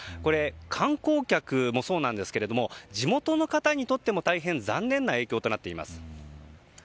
観光客もそうなんですが地元の方にとっても大変残念な影響となっています。